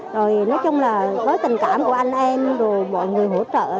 rồi nói chung là với tình cảm của anh em rồi mọi người hỗ trợ